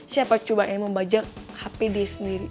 siapa coba yang mau bajak hp dia sendiri